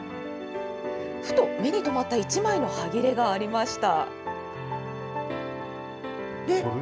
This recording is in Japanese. ふと目にとまった１枚のはぎれがありました。